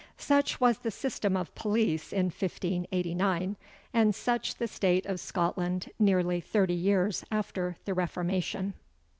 Such was the system of police in 1589; and such the state of Scotland nearly thirty years after the Reformation.